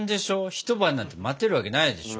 一晩なんて待てるわけないでしょ。